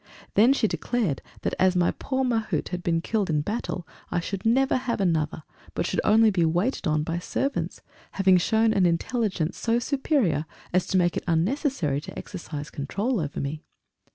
Then she declared that, as my poor Mahout had been killed in battle, I should never have another, but should only be waited on by servants, having shown an intelligence so superior as to make it unnecessary to exercise control over me.